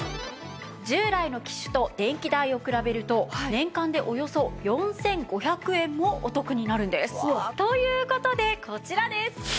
従来の機種と電気代を比べると年間でおよそ４５００円もお得になるんです。という事でこちらです！